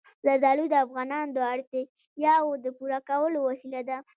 زردالو د افغانانو د اړتیاوو د پوره کولو وسیله ده.